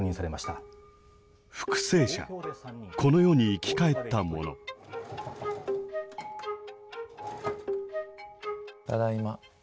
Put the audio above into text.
ただいま。